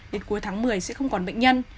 đến cuối tháng một mươi sẽ không còn bệnh nhân